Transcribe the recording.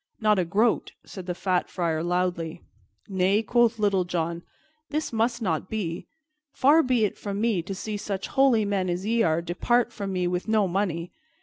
"Not a groat," said the fat Friar loudly. "Nay," quoth Little John, "this must not be. Far be it from me to see such holy men as ye are depart from me with no money.